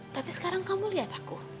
tapi sekarang kamu lihat aku